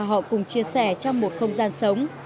họ cùng chia sẻ trong một không gian sống